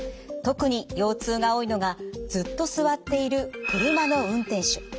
特に腰痛が多いのがずっと座っている車の運転手。